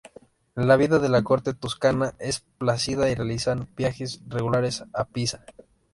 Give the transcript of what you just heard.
La vida de la corte toscana es plácida y realizan viajes regulares a Pisa.